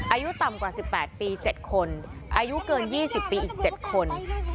อายุต่ำกว่าสิบแปดปีเจ็ดคนอายุเกินยี่สิบปีอีกเจ็ดคน